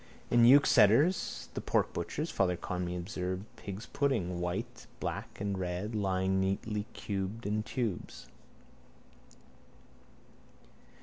In Youkstetter's, the porkbutcher's, Father Conmee observed pig's puddings, white and black and red, lie neatly curled in tubes.